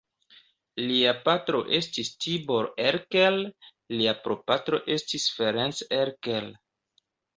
Lia patro estis Tibor Erkel, lia prapatro estis Ferenc Erkel.